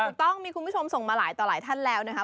ถูกต้องมีคุณผู้ชมส่งมาหลายต่อหลายท่านแล้วนะคะ